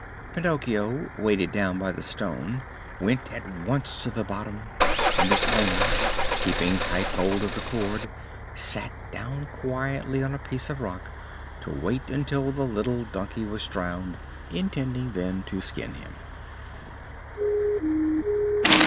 Pinocchio, weighted down by the stone, went at once to the bottom, and his owner, keeping tight hold of the cord, sat down quietly on a piece of rock to wait until the little donkey was drowned, intending then to skin him.